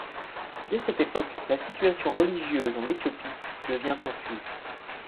Dès cette époque, la situation religieuse en Éthiopie devient confuse.